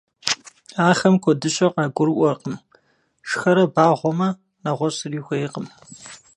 Ахэм куэдыщэ къагурыӀуэркъым, шхэрэ багъуэмэ, нэгъуэщӀ зыри хуейкъым.